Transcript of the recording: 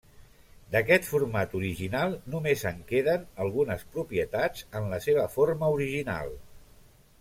D'aquest format original només en queden algunes propietats en la seva forma original.